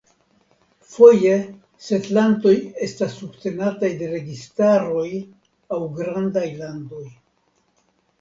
Foje setlantoj estas subtenataj de registaroj aŭ grandaj landoj.